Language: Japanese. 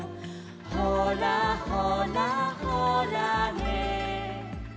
「ほらほらほらね」